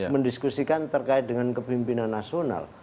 mendiskusikan terkait dengan kepimpinan nasional